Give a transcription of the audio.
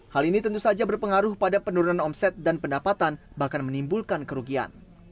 hal ini tentu saja berpengaruh pada penurunan omset dan pendapatan bahkan menimbulkan kerugian